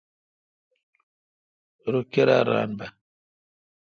رو کیرا ران بہ۔